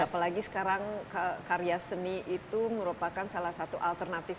apalagi sekarang karya seni itu merupakan salah satu alternatif